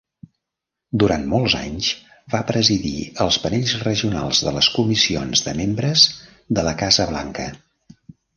Durant molts anys va presidir els panells regionals de les Comissions de Membres de la Casa Blanca.